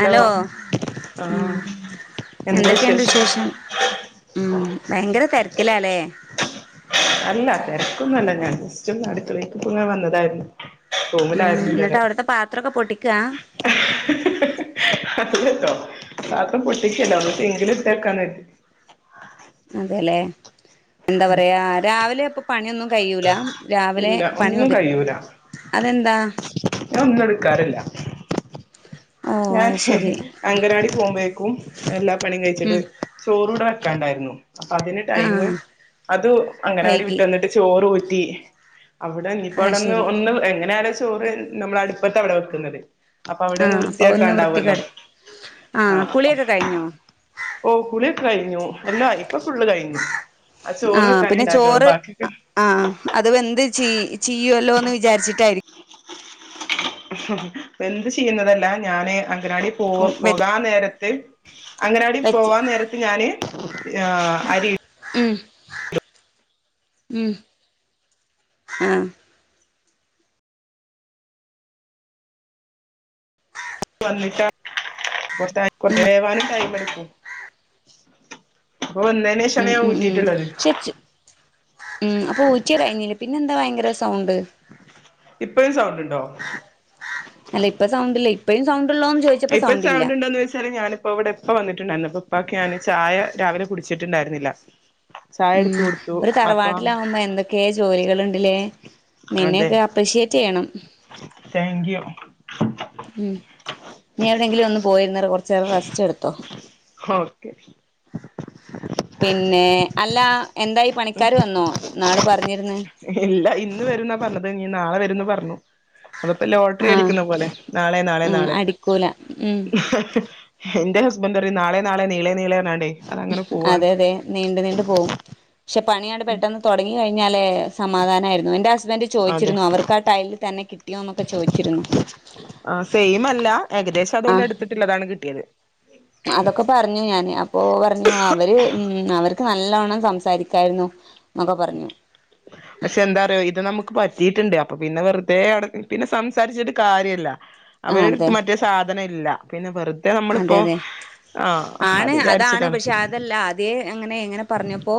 Hello ഉം ആഹ് എന്തൊക്കെ ഇണ്ട് വിശേഷം ഉം ഭയങ്കര തെര്ക്കിലാല്ലേ. അല്ല തെരക്കൊന്നല്ല ഞാൻ ജസ്റ്റ് ഒന്ന് അട്ക്കളീക്ക് പ്പ ങ്ങ വന്നതായിരുന്നു. ഉം റൂമിലായിരുന്നു ഇന്നട്ട് അവിട്ത്തെ പാത്രൊക്കെ പൊട്ടിക്കാ. അല്ലട്ടോ മാത്രം പൊട്ടിക്കല്ലാ ഒന്ന് സിങ്കില് ഇട്ട് വെക്കാന്ന് കര്തി. അതെല്ലെ. എന്താ പറയാ രാവിലെ അപ്പൊ പണിയൊന്നും കയ്യൂലാ രാവിലെ ഇല്ല പണി ഒന്നും ഒതു, കഴിയൂല അതെന്താ? ഞാൻ ഒന്നും എടുക്കാറില്ല. ഓ ഞാൻ അത് ശരി അംഗനവാടി പോകുമ്പഴേക്കും എല്ലാ പണിയും കയ്ച്ചിട്ട് ഉം ചോറൂടെ വെക്കാണ്ടായിരുന്നു. അപ്പൊ അതിന് ആ ടൈം അതും അങ്ങനവാടി വൈകി വിട്ട് വന്നിട്ട് ചോറ് ഊറ്റി അവിടെ അത് ശരി ഇഞ്പ്പവ്ടൊന്ന് എങ്ങനായാലും ചോറ് നമ്മള് അടുപ്പത്താ ഇവടെ വെക്കുന്നത്. അപ്പൊ ആ അവിടൊന്ന് വൃ അപ്പൊ ഒന്ന് ത്തിയാക്കാണ്ടാവൊല്ലോ വൃത്തികേട് ആ ആഹ് കുളിയൊക്കെ കഴിഞ്ഞോ ഓഹ് കുളിയൊക്കെ കഴിഞ്ഞു എല്ലതു ആയി. ഇപ്പൊ ഫുള്ള് കഴിഞ്ഞു. ആ ചോറ് വെക്കാനേ ണ്ടായിരുന്നൊള്ളു. ബാക്കിയൊക്കെ ആഹ് അത് വെന്ത് ചീ ചീയ്യോല്ലോ ന്ന് വിചാരിച്ചിട്ടായിരിക്കും. വെന്ത് ചീയ്യുന്നതല്ല ഞാന് അങ്കനവാടി പോവ് വെ പോകാൻ നേരത്ത് അങ്ങനവാടി വെച്ച് പോവാൻ നേരത്ത് ഞാന് ആ അരി ഉം ഉം ആഹ്. വന്നിട്ടാ [unintelligible] വേവാനും ടൈം എടുക്കും. അപ്പം ഉം വന്നേനേഷാണ് ഞാൻ ഉം ഉം ഊറ്റീട്ട്ള്ളത്. പക്ഷെ ഉം അപ്പൊ ഊറ്റ്യൊകെ കഴിഞ്ഞില്ലെ. പിന്നെന്താ ഭയങ്കര സൗണ്ട്? ഇപ്പഴും സൗ അല്ല ഇപ്പം സൗണ്ട് ഇല്ല ഇപ്പഴും സൗണ്ട്ള്ളോന്ന് ചോദി ചോദിച്ചപ്പോ ഇപ്പൊ സൗണ്ട് സൗണ്ട്ണ്ടോന്ന് വെച്ചാല് ഞാന് ഇപ്പം ഇവിടെ ഇപ്പ വന്നിട്ടുണ്ടായിരുന്നു അപ്പം ഇപ്പാക്ക് ഞാന് ചായ രാവിലെ കുടിച്ചിട്ടുണ്ടായിരുന്നില്ല ചായ ഉം എടുത്ത് കൊടുത്തു ഒരു അപ്പൊ തറവാട്ടിലാകുമ്പോ എന്തൊക്കെ ഒക്കെ ജോലികളുണ്ടില്ലേ നിന്നെക്കെ അപ്രിഷിയേറ്റ് ചെയ്യണം താങ്ക്യു ഉം നീ എവിടെങ്കിലും ഒന്ന് പോയിരുന്ന് കൊറച്ചേരം റസ്റ്റ് എടുത്തോ [inaudible] പിന്നെ അല്ല എന്തായി പണിക്കാര് വന്നോ ഇന്നാള് പറഞ്ഞിരുന്ന് ഇല്ല ഇന്ന് വരുന്നാ പറഞ്ഞത് ഇനീ നാളെ വരുന്ന് പറഞ്ഞു അത്പ്പോ ലോട്ടറി ആഹ് അടിക്കുന്ന പോലെ നാളെ നാളെ ഉം നാളെ അടിക്കൂല ഉം എന്റെ ഹസ്ബൻറ് പറയും നാളെ നാളെ നീളെ നീളെ പറഞ്ഞാണ്ടേ അതങ്ങനെ പോവാണ് അതെ അതെ നീണ്ട് നീണ്ടു പോവും പക്ഷെ പണിയാണ്ട് പെട്ടെന്ന് തുടങ്ങി കഴിഞ്ഞ ഞ്ഞാലേ സമാധാനായിരുന്നു എന്റെ ഹസ്ബന്റ് അതെ ചോിച്ചിരുന്നു അവർക്ക് ആ ടൈലിൽ തന്നെ കട്ട ആഹ് സെയിമല്ല ഏകദേശം ആ അതുകൊണ്ടടുത്തിട്ടുള്ളതാണ് കിട്ടിയത് അതൊക്കെ പറഞ്ഞു ഞാന് അപ്പോ പറഞ്ഞു അവര് ഉം അവർക്ക് നല്ലവണം സംസാരിക്കായിരുന്നു ന്നൊക്കെ പറഞ്ഞു പക്ഷെ എന്താറയോ ഇത് നമുക്ക് പറ്റിട്ടുണ്ട് അപ്പൊ പിന്നെ വെറുതെ പിന്നെ സംസാരിച്ചിട്ടു കാര്യല്ല ആ അവരുടുത്ത് അതെ മറ്റേ സാധനല്ല പിന്നെ വെറുതെ അതെ നമ്മളിപ്പോ അതെ ആഹ് ആണ് അത് അതാണ് വിചാരിച്ചിട്ടാണ് പക്ഷെ അതല്ല ആദ്യ അങ്ങനെ ഇങ്ങനെ പറഞ്ഞപ്പോ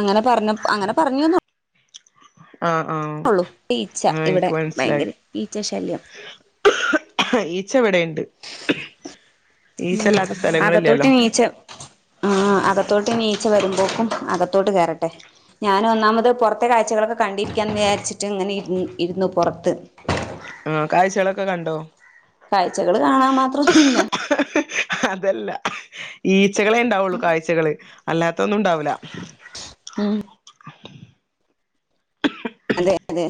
അങ്ങനെ പറഞ്ഞ അങ്ങനെ പറഞ്ഞുന്നോ ആഹ് ആഹ് ഈച്ച ആഹ് ഇവിടെ എനിക്ക് മനസിലായി ഭയങ്കര ഈച്ച ശല്യം ഈച്ചവിടെയുണ്ട് ഉം സ്ഥലങ്ങളില്ലല്ലോ അകത്തോട്ട് ഈച്ച ആഹ് അകത്തോട്ട് ഈച്ച വരുമ്പോക്കും അകത്തോട്ട് കേയറട്ടെ ഞാൻ ഒന്നാമത് പുറത്തെ കാഴ്ചകളൊക്കെ കണ്ടിരിക്കാന്ന് വിചാരിച്ചിട്ട് ഇങ്ങനെ ഇ ഇരുന്നു പുറത്ത് ആഹ് കാഴ്ചകളൊക്കെ കണ്ടോ കാഴ്ചകൾ കാണാൻ മാത്രൊന്നുല്ല [inaudible] അതല്ല ഈച്ചകളെണ്ടാവുള്ളു കാഴ്ചകള് അല്ലാത്തൊന്നുണ്ടാവില്ല ഉം അതെ അതെ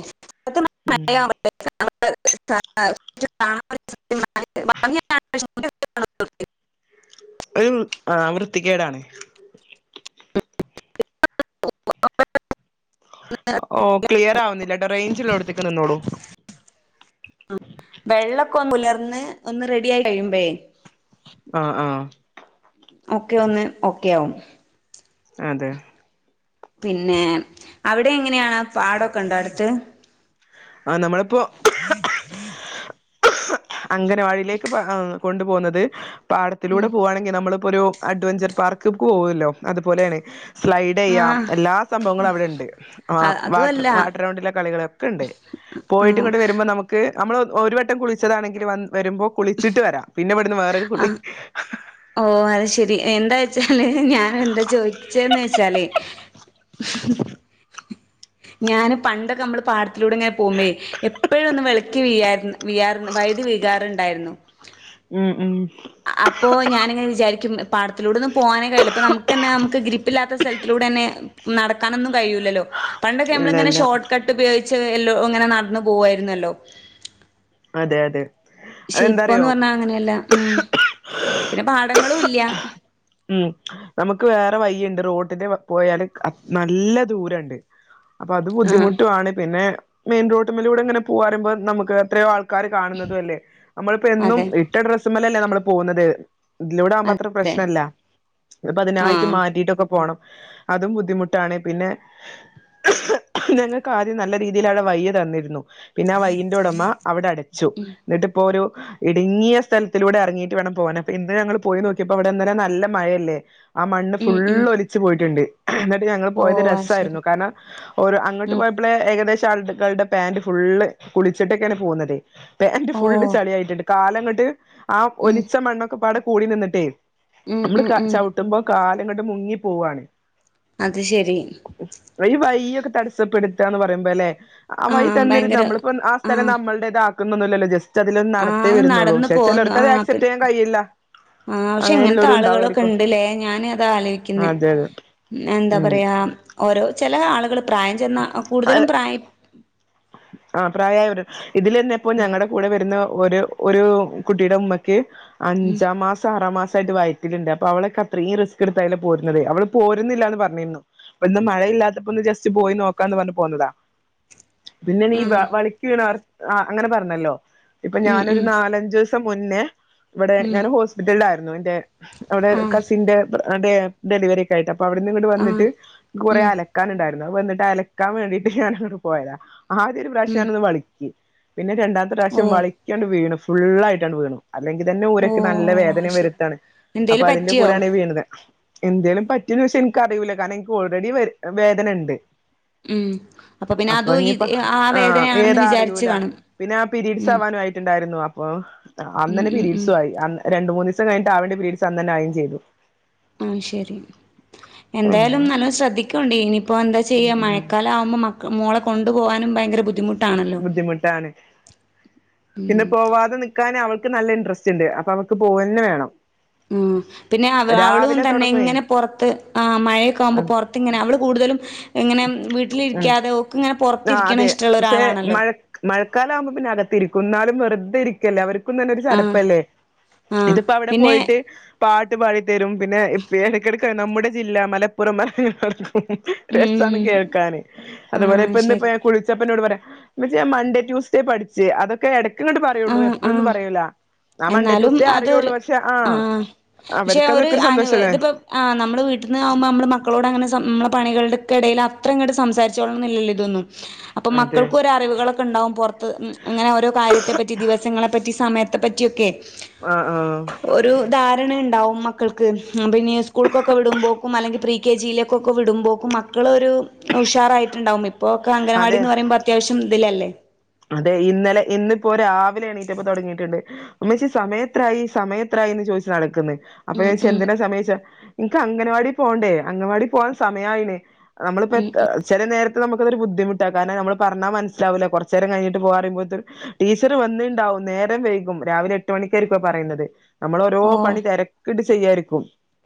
മ ഉം [unintelligible] [unintelligible] ഒരു ആഹ് വൃത്തികേടാണ് ഓ [unintelligible] ഓഹ് ക്ലിയർ ആവുന്നില്ലട്ടോ റേഞ്ചിള്ളടുത്തേക്ക് നിന്നോളൂ [inaudible] വെള്ളൊക്കെ ഒന്ന് ഉലർന്ന് ഒന്ന് റെഡി ആയി കഴിയുമ്പഴേ ആഹ് ആഹ് ഒക്കെ ഒന്ന് ഓക്കെ ആവും അതെ പിന്നെ അവിടെ എങ്ങനെയാണ് പാടൊക്കെ ഉണ്ടോ അടുത്ത് ആഹ് നമ്മളിപ്പോ [inaudible] അംഗനവാടിയിലേക്ക് കൊണ്ടു പോകുന്നത് പാടത്തിലൂടെ പോവാണെങ്കില് നമ്മള് ഇ ഒരു അഡ്വെഞ്ചർ പാർക്ക് പോവല്ലോ അതുപോലെയാണ് സ്ലൈഡ് ചെയ്യാം ആഹ് എല്ലാ സംഭവങ്ങളും അവിടെ ഉണ്ട് അതും വാട്ടർ അല്ല വാട്ടർ റൗണ്ടിലെ കളികളൊക്കെ ഉണ്ട് പോയിട്ട് ഇങ്ങോട്ട് വരുമ്പോ നമുക്ക് നമ്മൾ ഒരു വവട്ടം കുളിച്ചതാണെങ്കിൽ വ വരുമ്പോ കുളിച്ചിട്ട് വരാം പിന്നെ ഇവിടുന്ന് വറെരു കുളി ആ ഓ അത് ശെരി എന്താ വച്ചാല് ഞാൻ എന്താ ചോദിച്ചന്ന് വെച്ചാല് ഞാൻ പണ്ടൊക്കെ നമ്മള് പാട്ടത്തിലൂടെ ഇങ്ങനെ പോകുമ്പേ എപ്പോഴും ഒന്ന് വിള ക്കി വീയാറ് വൈയതി വീയാറുണ്ടായിരുന്നു ഉം ഉം അപ്പോ ഞാനിങ്ങനെ വിചാരിക്കും പാടത്തിലൂടെന്ന് പോകാനേ കഴയില്ല അപ്പോ നമുക്ക് തന്നെ നമുക്ക് ഗ്രിപ്പില്ലാത്ത സ്ഥലത്തിലൂടെ തന്നെ നടക്കാനൊന്നും കഴിയൂല്ലല്ലോ പണ്ടൊക്കെ നമ്മള ഇല്ല ഇങ്ങനെ ഇല്ല ഷോർട്ട് കട്ട് ഉപയോഗിച്ച് എല്ലോ ഇങ്ങനെ നടന്നു പോകുായിരുന്നല്ലോ അതെ അതെ പക്ഷേ ഇപ്പന്ന് അതെന്താറിയോ പറഞ്ഞാ അങ്ങനെയല്ല ഉം പിന്നെ പാടങ്ങളും ഇല്ല്യ ഉം നമുക്ക് വേറെ വയ്യുണ്ട് റോട്ടില് പോയാല് നല്ല ദൂരുണ്ട് അപ്പൊ അത് ആഹ് ബുദ്ധിമുട്ടുാണ് പിന്നെ മെയിൻ റോട്ടിമ്മലൂടെ ഇങ്ങനെ പോവാറുമ്പോ നമുക്ക് എത്രയോ ആൾക്ക ആക്കാര് കാണുന്നതും അല്ലേ നമ്മളിപ്പോ എന്നും അതെ ഇട്ട ഡ്രസ്സമ്മലല്ലേ നമ്മള് പോകുന്നത് ഇതിലൂടെ ആവുമ്പോ അത്ര അതെ പ്രശ്നല്ല ഇപ്പ അതിനായിട്ട് ആഹ് മാറ്റിട്ടൊക്കെ പോണം അതും ബുദ്ധിമുട്ടാണ് പിന്നെ ഞങ്ങൾക്ക് ആദ്യം നല്ല രീതിയിൽ അവിടെ വയ്യ തന്നിരുന്നു പിന്നെ ആ വയ്യന്റോടമ്മ അവിടെ അടച്ചു ഉം എന്നിട്ട ഇപ്പോ ഒരു ഇടുങ്ങിയ സ്ഥലത്തിലൂടെ ഇറങ്ങിയിട്ട് വേണം പോവാൻ അപ്പൊ ഇന്ന് ഞങ്ങൾ പോയി നോക്കിയപ്പോ അവിടെന്ന്ന്ന നല്ല മഴയല്ലേ ആ മണ്ണ് ഉം ഫുള് ഉം ഒലിച്ച് പോയിട്ടുണ്ട് എന്നിട്ട് ഞങ്ങള് ഓ പോയത് അത് ശരി രസയിരുന്നു കാരണം ഓ അങ്ങോട്ട് ഉം പോയ ഏകദേശം ആൾുകളളുടെ പാന്റ് ഫുള്ള് കുളിച്ചിട്ടൊക്കെയാണ് പോകുന്നത് പേന്റ് ഓ ഫുള്ള് ചളിയായിട്ടിണ്ട് കാല അങ്ങോട്ട് ആ ഉം ഒലിച്ച മണ്ണൊക്കെ പാടെ കൂടി നിന്നിട്ടേ ഉം നമ്മള് ഉം ഉം ചവിട്ടുമ്പോ കാല് ങ്ങട്ട് മുങ്ങി പോവാണ് അത് ശരി ഈ വയൊക്കെ തടസ്സപ്പെ എടുത്തന്ന പറയുമ്പോ അല്ലേ ആ വയി ആഹ് തന്നിരുന്നു ഭയങ്കര നമ്മളിപ്പം ആ സ്ഥലം ആഹ് നമ്മളുടെ ഇത ആാക്കുന്നൊന്നുമല്ലല്ലോ ജസ്റ്റ് അതില നടത്തേ ആഹ് വരുന്നുള്ളൂ നടന്ന് പക്ഷെ പോന്നു ചിലർക്ക് അത് ആഹ് പി ആക്സെപ്റ്റ് ചെയ്യാൻ കഴിയില്ല ആഹ് പക്ഷെ ഇങ്ങനത്തെ അങ്ങനെയുള്ളരു ആളുകളൊക്കെ ഉണ്ട്ല്ലേ ഞാൻ അത ആലോചിക്കുന്ന അതെ അതെ എന്താ ഉം പറയാ ഓരോ ചില ആളുകൾ പ്രായം ചെന്നാൽ കൂടുതലും പ്രായം ആ പ്രായ ഒരു ഇതിൽന്നെ ഇപ്പോ ഞങ്ങളുടെ കൂടെ വരുന്ന ഒരു ഒരു കുട്ടിയുടെ ഉമ്മക്ക് അഞ്ചാം മാസം ആറാ മാസമായിട്ട് വയറ്റലുണ്ട് അപ്പ അവളൊക്കെ അത്രയും റിസ്ക് എടുത്തായിാല പോരുന്നത് അവള് പോരുന്നില്ല എന്ന് പറഞ്ഞിരുന്നു ഇന്ന് മഴയില്ലാത്തപ്പോന്ന് ജസ്റ്റ് പോയി നോക്കാ എന്ന് പറഞ്ഞു പോുന്നതാ പിന്നെ നീ ആഹ് വളിക്ക വീണ അവർ അങ്ങനെ പറഞ്ഞല്ലോ ഇപ്പൊ ഉം ഞാനൊരു ഉം നാലഞ്ച മുന്നേ ഇവിടെ ഉം ഞാൻ ഹോസ്പിറ്റലില യിരുന്നു എന്റെ അവിടെ ആഹ് കസിന്റെ ഡെലിവറിഒക്ക ആയിട്ട് അപ്പൊ അവിടെന്നങ്ങട്ട് ആഹ് വന്നിട്ട് കുറെ ഉം അല ക്കാനുണ്ടായിരുന്നു അവന്നട്ട് അലക്കാൻ വേണ്ടിട്ട് ഞാന പോയതാ ആദ്യ ഒരു പ്രാവശ്യ ഉം ഞ ഒന്ന് വള്ക്കി പിന്നെ രണ്ടാമത്തെ ഓ പ്രാവശ്യം വളിക്കണ് വീണു ഫുള്ളായിട്ടാണ്ട് വീണു അല്ലെങ്കി തന്നെ ഓ ഊരൊക്കെ നല്ല അത് വേദനയും ശരി വരുത്താണ് അപ്പൊ എന്തേലും അതിന്റെ പറ്റിയോ കൂടെയാണ് ഈ വീണത് എന്തേലും പറ്റന്ന് വെച്ചാ എനിക്കറിയൂല്ല കാരണം എനിക്ക് ഓൾറെഡി വേദന ഉണ്ട് ഉം അപ്പൊ പിന്നെ അതും ഇത് തൊടങ്ങിയപ്പോ ആ ആഹ് വേദനയാണെന്ന് ഏതാ വിചാരിച്ച് അറിയൂല കാണും പിന്നെ ആ പിരീഡ്സ് ഉം ആവാനും ആയിട്ടുണ്ടായിരുന്നു ആഹ് അന്ന് ഉം തന്നെ ഉം ഉം പീരീഡ്സു ആയി രണ്ട് മൂന്ന് ദിവസം കഴിഞ്ഞട്ട് ആവേണ്ട പീരീഡ്സ് അന്ന് തന്നെ ആയും ചെയ്തു അഹ് ശരി എന്തായാലും നല്ല ശ്രദ്ധിക്കണ്ടേ ഇനിയിപ്പോൾ എന്താ ചെയ്യ മഴക്കാലം ആവുമ്പോ മ മോളെ കൊണ്ടുപോകാനും ഭയങ്കര ബുദ്ധിമു ബുദ്ധിമുട്ടാണ് പിന്നെ ഉം പോവാതെ നി ക്കാൻ അവൾക്ക് നല്ല ഇൻട്രസ്റ്റ്ണ്ട് അപ്പൊ അവക്ക് പോവന്നെ വേണം ഉം പിന്നെ അവ അവളും രാവിലെ തന്നെ തുടങ്ങുവേ ഇങ്ങനെ പുറത്ത് ആഹ് മഴയൊക്കെ ആവുമ്പോ ഉം പുറ ത്ത്ങ്ങനെ അവള് കൂടുതലും ഇങ്ങനെ ഉം വീട്ടിലിരിക്കാതെ ഒക്ക്ങ്ങനെപൊറത്തിരിക്കണ ഇഷ്ടമുള്ള ഒരാളാണല്ലോ മഴക്കാലാകുമ്പോൾ പിന്നകത്തിരിക്കുംന്നാലും വെറുതെരി ക്കല്ലേ അവർക്കും തന്നെ ഒരു ആഹ് ചടപ്പല്ലേ ആഹ് ഇതിപ്പോ അവിടെ പിന്നെ പോയിട്ട് പാട്ട് പാടിത്തരും പിന്നെ ഇടക്കിടക്ക് നമ്മുടെ ജില്ലാ മലപ്പുറം മല സാൻ ഉം കേൾക്കാന് അതുപോലെ ആഹ് ഇപ്പന്ന് ശരി കുളിച്ചപ്പന്നോട് പറയാ ഉമ്മച്ചി ഞാൻ മണ്ടേട്യൂസ്ഡേ പഠി ച്ച് അതൊക്കെ ഇടക്കങ്ങട്ട് പറയുള്ളൂ ആഹ് എപ്പോഴൊന്നും ആഹ് പറയൂല ആ മൺണ്ടേ എന്നാലും ട്യൂസ്ഡേ അതൊരു അറിയുള്ളൂ പക്ഷെ ആഹ് പക്ഷെ അവർക്ക് അതൊക്കെ ഒരു അനു സന്തോഷല്ലേ ഇതിപ്പോ ആഹ് നമ്മൾ വീട്ടിന്ന് ആവുമ്പൾ നമ്മൾ മക്കളോട് അങ്ങനെ നമ്മള പണികളടെക്ക ഇടയി അത്രയുങ്ങോട്ട് സംസരിച്ചോളന്നില്ലല്ലോ ഇതൊന്നും അപ്പൊ അതെ മക്കൾകൊരു അറിവുകളക്കെ ഉണ്ടാവും പുറത്ത് അങ്ങനെ ഓരോ കാര്യ ത്തെ പറ്റി ദിവസങ്ങളെ പ പറ്റി സമയത്തെ പറ്റിയൊക്കെ ആഹ് ആഹ് ഒരു ധാരണ ഉണ്ടാവും മക്കൾക്ക് പിന്നെ സ്കൂൾക്കൊക്കെ വിടുമ്പോക്കും അല്ലെങ്കിൽ പ്രീ കെ ജിയിലേക്കൊക്കെ വിടുമ്പോൾക്കും മക്കളൊരു ഉഷാറായിട്ടുണ്ടാവും ഇപ്പോക്കെ അംഗൻവാടി അതെ എന്ന് പറയുമ്പോത്ര അത്യാവശ്യം ഇതിലല്ലേ അതെ ഇന്നലെ ഇന്നിപ്പോ രാവിലെ എണീറ്റപ്പൊ തൊടങ്ങിയിട്ടുണ്ട് ഉമ്മച്ചി സമയത്രയി സമയത്രായിന്ന് ചോദിച്ചു നടക്കുന്നു ഉം അപ്പൊച്ച ഉം എന്തിനാ സമയച്ചൊയിച്ചേ നിക്ക് അംഗൻവാടി പോകണ്ടേ അംഗൻവാടി പോവാൻ സമയമായിണ് നമ്മളിപ്പോ ഉം ചില നേരത്തെ നമുക്കൊരു ബുദ്ധിമുട്ട കാരണം നമ്മൾ പറഞ്ഞാ മനസ്സാവില്ല കൊറച്ചു നേരംകഴിഞ്ഞിട്ട് പോവറിമ്പോത്തി ടീച്ചർ വന്നിണ്ടാവും നേരം വൈകും രാവിലെ എട്ട് മണിക്കായിരിക്കു പറയുന്നത് അമ്മള് ഓരോ ഓഹ് പണി തിരക്കിട്ട് ചെയ്യാരിക്കും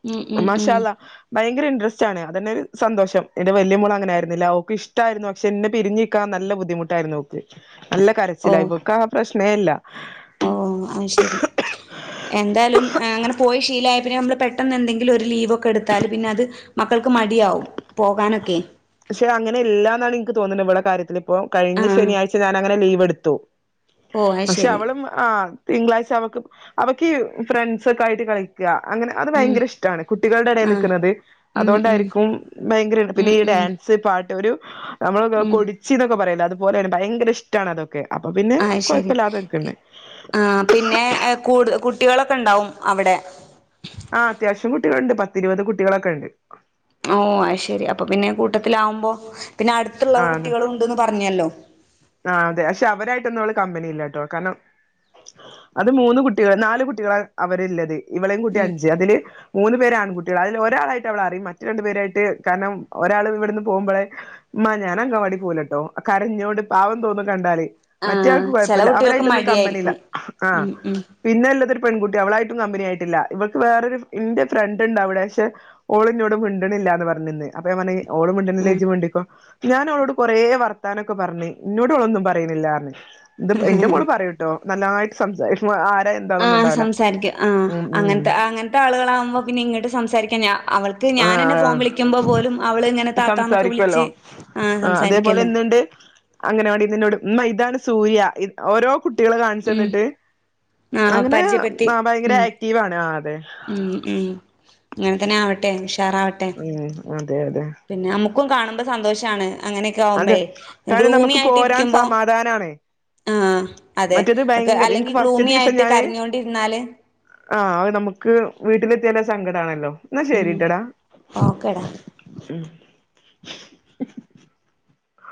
ഉം ഉം മാ ഉം ഷാള്ള ഭയങ്കര ഇൻട്രസ്റ്റ് ണ് അതന്നെ സന്തോഷം എന്റെ വലിയ മോള അങ്ങനൊയിരുന്നില്ല ഓക്ക് ഇഷ്ടമായിരുന്നു പക്ഷെ എന്നെ പിരിഞ് ക്കാൻ നല്ല ബുദ്ധിമുട്ടായിരുന്നു ഓക്ക് നല്ല ഓ കരച്ചിലാരുന്നു ഇബക്ക് ആ പ്രശ്നേല്ല ഓ ആഹ് ശരി എന്തായാലും അങ്ങനെ പോയി ശീലായ പിന്നെ നമ്മൾ പെട്ടെന്ന് എന്തെങ്കിലും ഒരു ലീവൊക്കെ എടുത്താല് പിന്നെ അത് മക്കൾക്ക് മടിയാവും പോകാനൊക്കെ പക്ഷെ അങ്ങനെ ഇല്ലാ എന്നാണ് എനിക്ക് തോന്നുന്നത് ഇവടെ കാര്യത്തില് ഇപ്പോ കഴിഞ്ഞ ആഹ് ശനിയാഴ്ച ഞാൻ അങ്ങനെ ലീവ് എടുത്തു ഓ അത് പക്ഷെ ശരി അവളും ആഹ് തിങ്കളാഴ്ച അവക്ക് അവക്കിഫ്രണ്ട്സക്കെയിട്ട് കളി ക്കാ അങ്ങനെ അത് ഉം ഭയങ്കര ഇഷ്ടമാണ് കുട്ടികളുടെ ഇടയിൽ ആഹ് നിൽക്കുന്നത് ഉം ഉം അതുകൊണ്ടായിരിക്കും ഭയങ്കര ഇൻ പിന്നെ ഉം ഈ ഉം ഡാൻസ് പാട്ട് ഒരു നമ്മള് ഉം കൊതിച്ചി എന്നൊക്കെ പറയലോ അതുപോലെ തന്നെ ഭയങ്കര ഇഷ്ടമാണ് അതൊക്കെ അപ്പൊ പിന്നെ ആഹ് ശരി കുഴപ്പമില്ലാതെ നിക്കണ്ട് ആഹ് പിന്നെ കൂട് കുട്ടികളൊക്കെ ഉണ്ടാവും അവിടെ ആഹ് അത്യാവശ്യം കുട്ടികളുണ്ട് പത്തിരുപത് കുട്ടികളൊക്കെ ഉണ്ട് ഓ അത് ശരി അപ്പൊ പിന്നീകൂട്ടത്തിലാകുമ്പോ പിന്നെ അടുത്തുള്ള കുട്ടികളുണ്ടന്ന് പറഞ്ഞല്ലോ ആഹ് അതെ പക്ഷെ അവരായിട്ടൊന്നും അവള് കമ്പനിയില്ലാട്ടോ കാരണം അത് മൂന്ന് കുട്ടികൾ നാല് കുട്ടികളാ അവരിള്ളത് ഇവളയും കുട്ടി ഉം അഞ്ച് അതില് മൂന്ന് പേരാൺകുട്ടികളാ അതിൽ ഒരാളായിട്ട് അവളറിയും മറ്റു രണ്ട് പേരായിട്ട് കാരണം ഒരാള് ഇവിടുന്ന് പോകുമ്പോളെ- ഉമ്മ ഞാൻ അങ്കവാടി പോവ്വലാട്ടോ കാരഞ്ഞോണ്ട് പാവം തോന്നും കണ്ടാലേ- ആഹ് മറ്റേയാൾക്ക് ചെല കുഴപ്പല്ല കുട്ടികൾക്ക് അവരായിട്ടൊന്നും കമ്പനില്ല മടിയായിരിക്കും ആഹ് ഉം ഉം പിന്നെ ഇല്ലതൊരു പെൺകുട്ടി അവളായിട്ടും കമ്പനി ആയിട്ടില്ല ഇവൾക്ക് വേറൊരു ഇന്റെ ഫ്രണ്ട് ഉണ്ടവിടെ പക്ഷെ ഓളിന്നോട് മിണ്ടണില്ല എന്ന് പറഞ്ഞിന്ന് അപ്പൊ ഞാ പറഞ് ഓള് ഉം മിണ്ടണല്ലങ്കി ജ് മിണ്ടിക്കോ ഞാൻ അവളോട് കൊറേ വർത്താനൊക്കെ പറഞ്ഞ് ഇന്നോട് ഓളോന്നും പറയുന്നില്ലാറഞ് ഇന്റെ മോള് പറയൂട്ടോ നല്ലാട്ട് സംസാരിക്ക ആരാ എന്താന്നൊന്നും ആഹ് ഉണ്ടാവില്ല സംസാരിക്കും ആഹ് ഉം ഉം അങ്ങനത്തെ അങ്ങനത്തെ ആളുകളാകുമ്പോ പിന്നെ ഇങ്ങോട്ട സംസാരിക്കാ അവൾക്ക് ഞാനെ ഫോൺ ആഹ് വിളിക്കുമ്പോ പോലും അവള് ഇങ്ങനെ താത്താന്നൊക്കെ സംസാരിക്കുവല്ലോ വിളിച്ച് ആഹ് സംസാരിക്കല്ലോ അങ്കണവാടിന്ന് ഇന്നോട് ഇതാണ് സൂര്യ ഓരോ കുട്ടികള് കാണിച്ചു ഉം തന്നിട്ട് ആഹ് അങ്ങനെ പരിചയപ്പെടുത്തി ആഹ് ഭയങ്കര ഉം ആക്റ്റീവ ആണ് ആ അതെ ഉം ഉം അങ്ങനെ തന്നെ ആവട്ടെ ഉഷാറാവട്ടെ ഉം അതെ അതെ പിന്നെ നമുക്കും കാണുമ്പോ സന്തോഷാണ് അങ്ങന അതെ ആവുമ്പഴെ കാരണം നമുക്ക് പോരാൻ ഗ്ലുമിയായിട്ടിരിക്കുമ്പോ സമാധാനാണ് ആഹ് അതെ മറ്റേത് ക്കെ ഭയങ്കര അല്ലെങ്കിൽ എനിക്ക് ഫസ്റ്റ്ത്തെ ഗ്ലൂമി ദിവസം ആയിട്ട് ഞാന് കരഞ്ഞുകൊണ്ടിരുന്നാല് ആഹ് അ നമുക്ക് വീട്ടിലെത്തിയാല സങ്കടണല്ലോ എന്നാ ഉം ശരിട്ടടാ ഓക്കെടാ ഉം